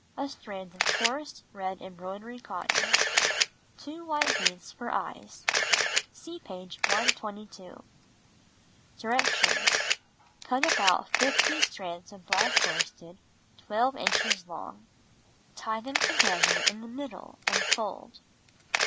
A strand of coarse red embroidery cotton. Two white beads for eyes. (See page 122.) Directions: 1. Cut about 50 strands of black worsted 12 inches long. Tie them together in the middle and fold.